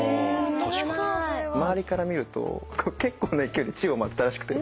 周りから見ると結構な勢いで宙を舞ってたらしくて。